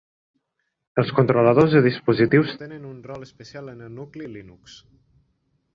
Els controladors de dispositius tenen un rol especial en el nucli Linux.